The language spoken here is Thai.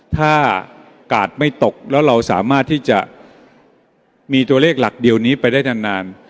ถ้ากาดไม่ตกแล้วเราสามารถที่จะมีตัวเลขหลักเดียวนี้ไปได้นาน